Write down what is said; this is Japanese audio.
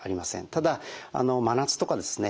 ただ真夏とかですね